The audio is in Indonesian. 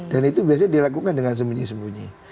dan itu biasanya dilakukan dengan sembunyi sembunyi